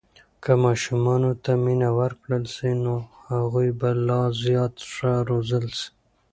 که ماشومانو ته مینه ورکړل سي، نو هغوی به لا زیات ښه روزل سي.